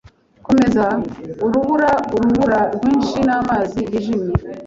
Komeza urubura urubura rwinshi n'amazi yijimye